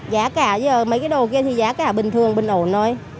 giá cả mấy cái đồ kia thì giá cả bình thường bình ổn thôi